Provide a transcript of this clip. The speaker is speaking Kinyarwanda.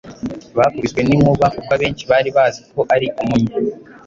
bakubiswe n’inkuba, kuko abenshi bari bazi ko ari Umunya